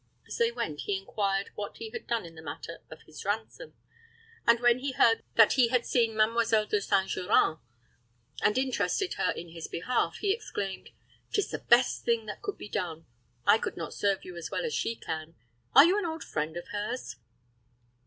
As they went, he inquired what he had done in the matter of his ransom, and when he heard that he had seen Mademoiselle De St. Geran, and interested her in his behalf, he exclaimed, "'Tis the best thing that could be done. I could not serve you as well as she can. Are you an old friend of hers?"